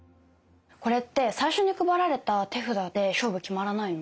これって最初に配られた手札で勝負決まらないの？